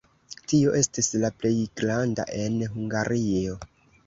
Tio estis la plej granda en Hungario.